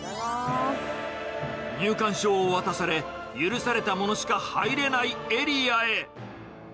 入館証を渡され、許された者しか入れないエリアへ。